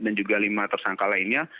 dan juga lima tersangka lainnya